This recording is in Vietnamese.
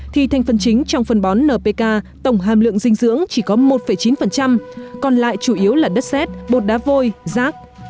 thì thành phần chính trong phân bón npk tổng hàm lượng dinh dưỡng chỉ có một chín còn lại chủ yếu là đất xét bột đá vôi rác